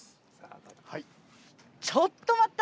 ちょっと待った！